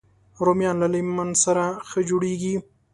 رومیان له لیمن سره ښه جوړېږي